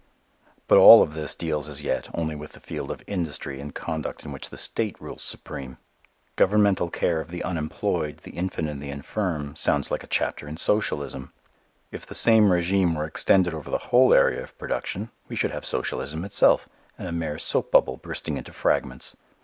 But all of this deals as yet only with the field of industry and conduct in which the state rules supreme. Governmental care of the unemployed, the infant and the infirm, sounds like a chapter in socialism. If the same régime were extended over the whole area of production, we should have socialism itself and a mere soap bubble bursting into fragments.